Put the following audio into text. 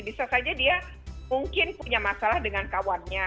bisa saja dia mungkin punya masalah dengan kawannya